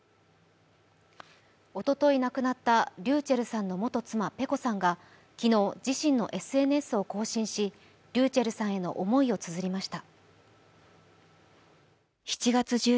おととい亡くなったｒｙｕｃｈｅｌｌさんの元妻・ｐｅｃｏさんが昨日、自身のＳＮＳを更新し、ｒｙｕｃｈｅｌｌさんへの思いをつづりました。